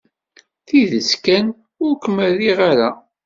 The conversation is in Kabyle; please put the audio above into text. Tidet kan, ur kem-riɣ ara.